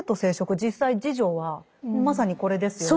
実際侍女はまさにこれですよね。